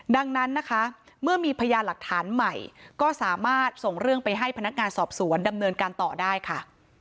ดังนั้นนะคะเมื่อมีพยานหลักฐานใหม่ก็สามารถส่งเรื่องไปให้พนักงานสอบสวนดำเนินการต่อได้ค่ะ